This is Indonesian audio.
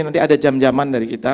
nanti ada jam jaman dari kita